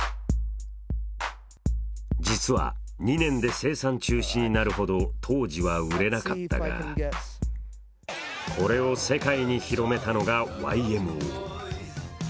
実は２年で生産中止になるほど当時は売れなかったがこれを世界に広めたのがＹＭＯ。